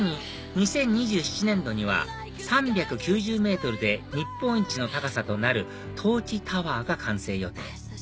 ２０２７年度には３９０ｍで日本一の高さとなるＴｏｒｃｈＴｏｗｅｒが完成予定